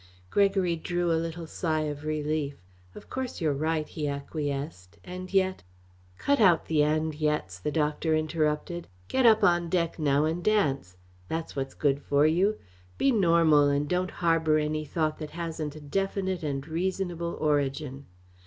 Gregory drew a little sigh of relief. "Of course you're right," he acquiesced, "and yet " "Cut out the 'and yets'," the doctor interrupted. "Get up on deck now and dance. That's what's good for you. Be normal and don't harbour any thought that hasn't a definite and reasonable origin.